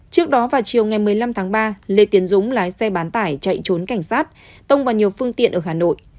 trước đó vào chiều ngày một mươi năm tháng ba lê tiến dũng lái xe bán tải chạy trốn cảnh sát tông vào nhiều phương tiện ở hà nội